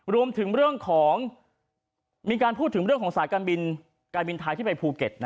รวมถึงเรื่องของมีการพูดถึงเรื่องของสายการบินไทยที่ไปภูเก็ต